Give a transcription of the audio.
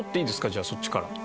じゃあそっちから。